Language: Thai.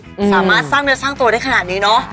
สามารถสร้างเนื้อสร้างตัวได้ขนาดนี้เนอะ